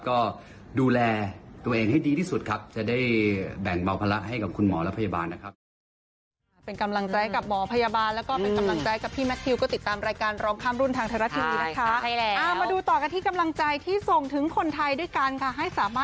ก็ดูแลตัวเองให้ดีที่สุดครับจะได้แบ่งเบาภาระให้กับคุณหมอและพยาบาลนะครับ